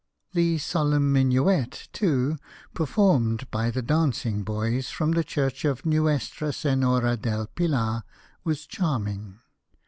The solemn minuet, too, performed by the dancing boys from the church of Nuestra Senora Del Pilar, was charming.